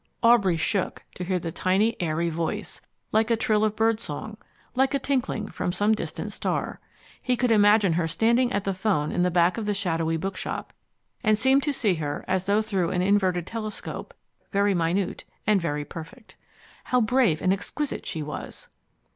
Aubrey shook to hear the tiny, airy voice, like a trill of birdsong, like a tinkling from some distant star. He could imagine her standing at the phone in the back of the shadowy bookshop, and seemed to see her as though through an inverted telescope, very minute and very perfect. How brave and exquisite she was!